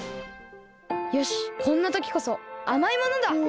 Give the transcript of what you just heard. よしこんなときこそあまいものだ！